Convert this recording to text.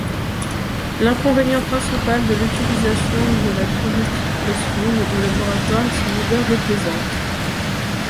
L'inconvénient principal de l'utilisation de la tributylphosphine au laboratoire est son odeur déplaisante.